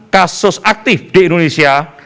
kasus aktif di indonesia